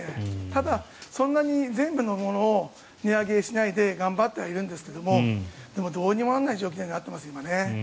ただ、そんなに全部のものを値上げしないで頑張ってはいるんですけどでもどうにもならない状況に今、なっていますね。